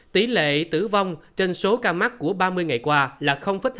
tỷ lệ tử vong trên số ca mắc của ba mươi ngày qua là hai